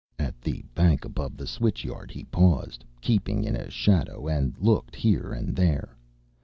At the bank above the switch yard he paused, keeping in a shadow, and looked here and there.